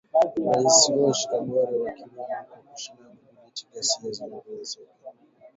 Rais Roch Kabore wakimlaumu kwa kushindwa kudhibiti ghasia zinazoongezeka za